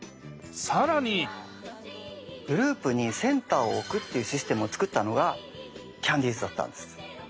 更にグループにセンターを置くっていうシステムを作ったのがキャンディーズだったんです。